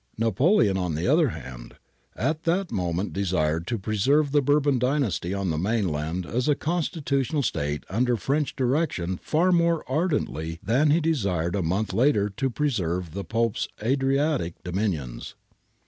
Napoleon, on the other hand, at that moment desired to preserve the Bourbon dynasty on the mainland as a constitutional State under French direction far more ardently than he desired a month later to preserve the Pope's Adriatic dominions.